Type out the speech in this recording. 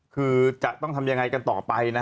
คือจะต้องทำอย่างไรกันต่อไป